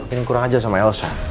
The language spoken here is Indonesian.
ini kurang aja sama elsa